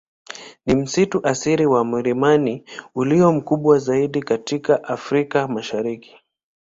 Ni msitu asili wa milimani ulio mkubwa zaidi katika Afrika Mashariki.